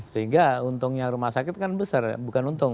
sehingga untungnya rumah sakit kan besar bukan untung